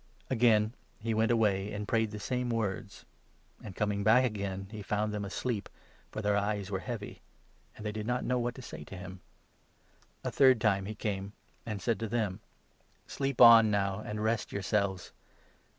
Again he went away, and prayed in the same words ; and 39, 40 coming back again he found them asleep, for their eyes were heavy ; and they did not know what to say to him. A third 41 time he came, and said to them :" Sleep on now, and rest yourselves.